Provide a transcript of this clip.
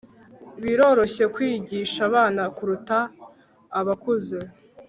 biroroshye kwigisha abana kuruta abakuze